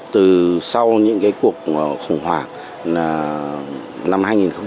từ sau những cuộc khủng hoảng năm hai nghìn một mươi